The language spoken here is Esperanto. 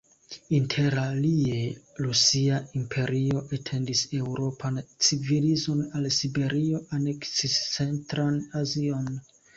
Interalie, Rusia Imperio etendis eŭropan civilizon al Siberio, aneksis centran Azion.